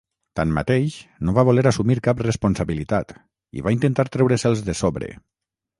Tanmateix, no va voler assumir cap responsabilitat i va intentar treure-se'ls de sobre.